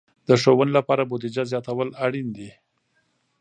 د ښوونې لپاره بودیجه زیاتول اړین دي.